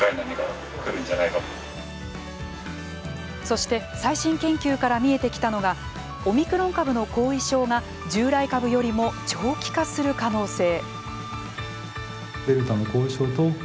そして、最新研究から見えてきたのがオミクロン株の後遺症が従来株よりも長期化する可能性。